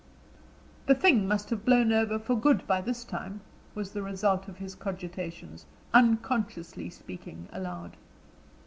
"The thing must have blown over for good by this time," was the result of his cogitations, unconsciously speaking aloud.